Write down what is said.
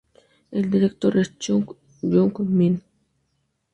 El director es Chung Hyung-min.